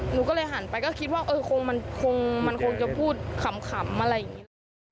หนูก็เลยหันไปก็คิดว่าเออคงมันคงจะพูดขำอะไรอย่างนี้แหละ